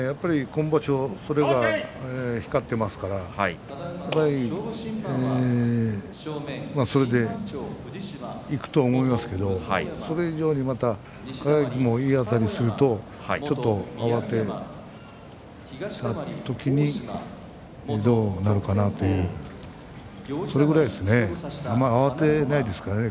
今場所それが光っていますからそれでいくと思いますけれどそれ以上にまた輝もいいあたりをするとちょっと慌てた時にどうなるかなとそのぐらいですかねあまり慌てないですからね。